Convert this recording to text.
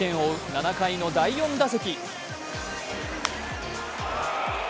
７回の第４打席。